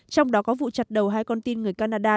trong đó có vụ chặt đầu hai con tin người canada